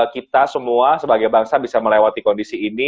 kita semua sebagai bangsa bisa melewati kondisi ini